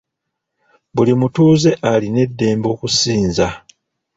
Buli mutuuze alina eddembe okusinza.